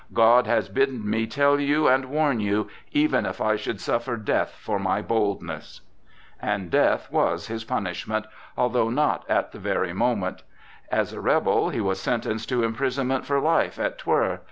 God has bidden me tell you and warn you, even if I should suffer death for my boldness!" And death was his punishment, although not at the very moment. As a rebel, he was sentenced to imprisonment for life at Twer.